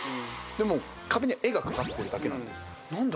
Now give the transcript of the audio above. でも壁に絵が掛かってるだけなんで何だ？